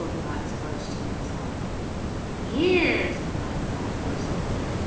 thought Squdge to himself. "Here's a fine fat morsel.